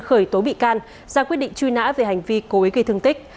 khởi tố bị can ra quyết định truy nã về hành vi cố ý gây thương tích